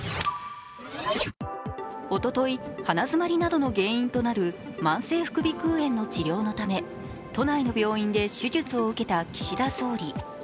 おととい、鼻づまりなどの原因となる慢性副鼻くう炎の治療のため都内の病院で手術を受けた岸田総理。